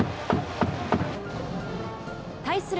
対する